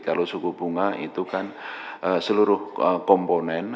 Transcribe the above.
kalau suku bunga itu kan seluruh komponen